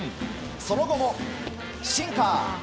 その後もシンカー！